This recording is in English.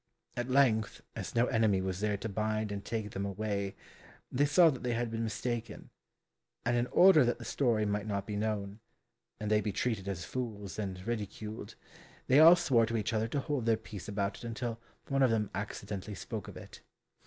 At length, as no enemy was there to bind and take them away, they saw that they had been mistaken, and in order that the story might not be known, and they be treated as fools and ridiculed, they all swore to each other to hold their peace about it until one of them accidentally spoke of it.